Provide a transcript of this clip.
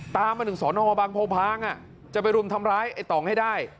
ตามมาถึงสอนอบางโพพางจะไปรุมทำร้ายไอ้ต่องให้ได้